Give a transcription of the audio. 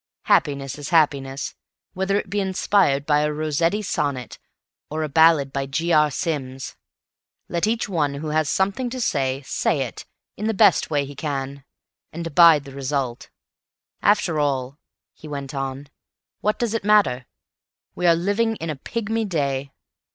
Happiness is happiness, whether it be inspired by a Rossetti sonnet or a ballad by G. R. Sims. Let each one who has something to say, say it in the best way he can, and abide the result. ... After all," he went on, "what does it matter? We are living in a pygmy day.